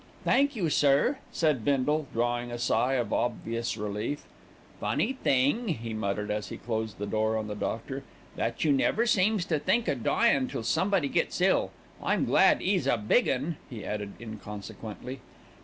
"Thank you, sir," said Bindle, drawing a sigh of obvious relief. "Funny thing," he muttered as he closed the door on the doctor, "that you never seems to think o' dyin' till somebody gets ill. I'm glad 'e's a big 'un," he added inconsequently.